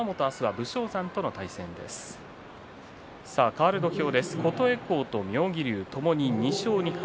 かわる土俵は琴恵光と妙義龍ともに２勝２敗。